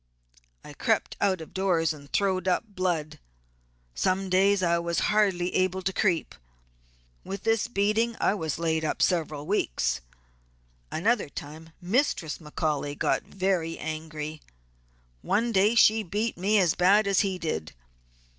I crept out of doors and throwed up blood; some days I was hardly able to creep. With this beating I was laid up several weeks. Another time Mistress McCaully got very angry. One day she beat me as bad as he did.